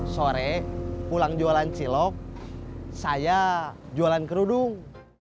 sore pulang jualan cilok saya jualan kerudung